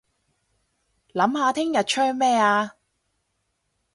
諗下聽日吹咩吖